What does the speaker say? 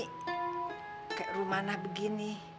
kayak rumah anak begini